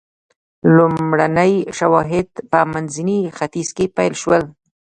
لومړني شواهد په منځني ختیځ کې پیل شول.